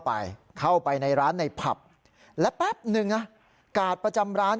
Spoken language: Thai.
ไปเข้าไปในร้านในผับและแป๊บนึงนะกาดประจำร้าน